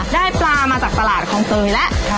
ได้ปลามาจากตลาดคลองเตยแล้ว